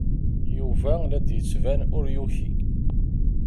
Yuba la d-yettban ur yuki.